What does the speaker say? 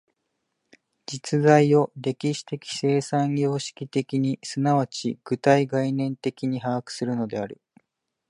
実在を歴史的生産様式的に即ち具体概念的に把握するのである。